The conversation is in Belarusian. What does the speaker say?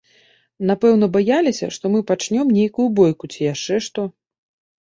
Напэўна, баяліся, што мы пачнём нейкую бойку ці яшчэ што.